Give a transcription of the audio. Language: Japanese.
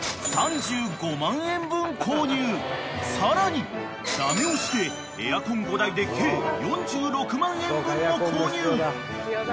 ［さらに駄目押しでエアコン５台で計４６万円分も購入］